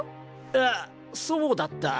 あっそうだった。